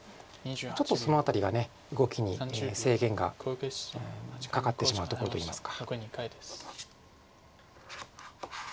ちょっとその辺りが動きに制限がかかってしまうところといいますか。